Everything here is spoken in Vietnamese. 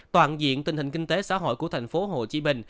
toàn diện tình hình kinh tế xã hội của tp hcm